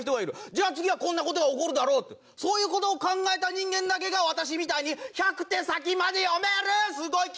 じゃあ次はこんな事が起こるだろうってそういう事を考えた人間だけが私みたいに１００手先まで読めるすごい棋士になれるんだよ！